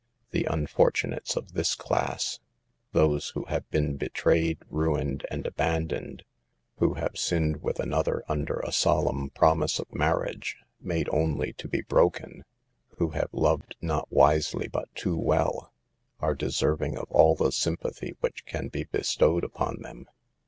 The unfortunates of this class — those who have been betrayed, rained and abandoned, who have sinned with another under a solemn promise of marriage, made only to be broken, who have "loved, not wisely, but too well "— are deserving of all the sympathy which can be bestowed upon them.